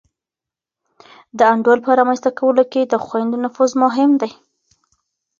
د انډول په رامنځته کولو کي د خویندو نفوذ مهم دی.